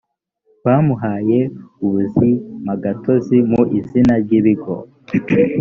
bamuhaye ubuzimagatozi mu izina ry ibigo